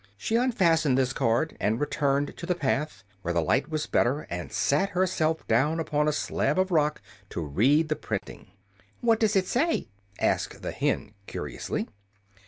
She unfastened this card and returned to the path, where the light was better, and sat herself down upon a slab of rock to read the printing. "What does it say?" asked the hen, curiously.